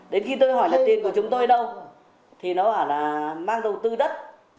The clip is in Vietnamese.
đến khi tôi hỏi là tiền của chúng tôi đâu thì nó bảo là mang đầu tư đất